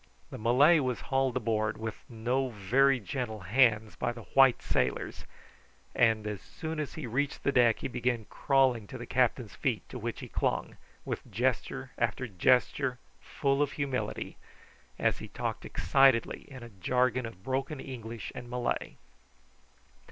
The Malay was hauled aboard with no very gentle hands by the white sailors, and as soon as he reached the deck he began crawling to the captain's feet, to which he clung, with gesture after gesture full of humility, as ha talked excitedly in a jargon of broken English and Malay.